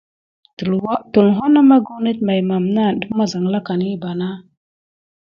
Tulho na maku net maye dukua kala def mazalakane pay tät de.